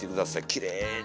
きれいに。